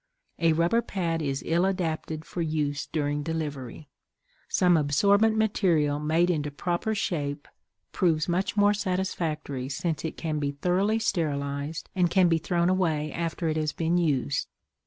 A rubber pad is ill adapted for use during delivery. Some absorbent material made into proper shape proves much more satisfactory since it can be thoroughly sterilized and can be thrown away after it has been used.